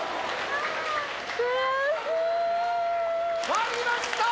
割りました！